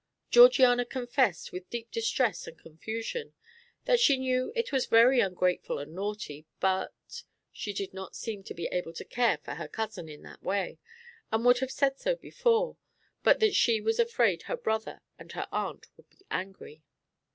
Georgiana confessed, with deep distress and confusion, that she knew it was very ungrateful and naughty, but she did not seem to be able to care for her cousin in that way, and would have said so before, but that she was afraid her brother and her aunt would be angry.